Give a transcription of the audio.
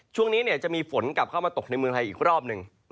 ช่วงนี้จะมีฝนกลับเข้ามาตกในเมืองไทยอีกรอบหนึ่ง